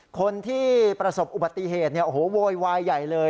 คนที่ประสบอุบัติเหตุเนี่ยโอ้โหโวยวายใหญ่เลย